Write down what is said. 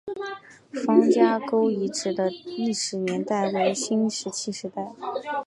方家沟遗址的历史年代为新石器时代。